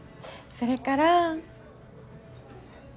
それから。